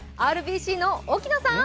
ＲＢＣの沖野さん。